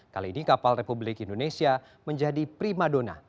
kali ini kapal republik indonesia menjadi primadona